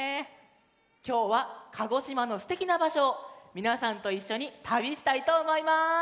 きょうは鹿児島のすてきなばしょをみなさんといっしょにたびしたいとおもいます。